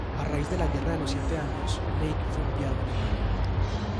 A raíz de la Guerra de los Siete Años, Lake fue enviado a Alemania.